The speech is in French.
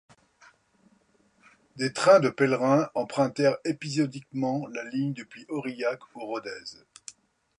Des trains de pèlerins empruntèrent épisodiquement la ligne depuis Aurillac ou Rodez.